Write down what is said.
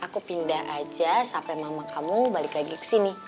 kita aja sampe mama kamu balik lagi ke sini